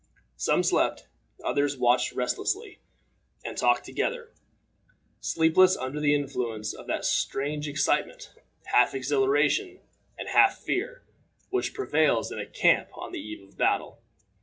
Some slept; others watched restlessly, and talked together, sleepless under the influence of that strange excitement, half exhilaration and half fear, which prevails in a camp on the eve of a battle.